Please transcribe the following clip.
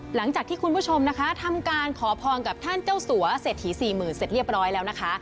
หลังจากที่คุณผู้ชมนะคะทำการขอพรกับท่านเจ้าสัวเศรษฐีสี่หมื่นเสร็จเรียบร้อยแล้วนะคะ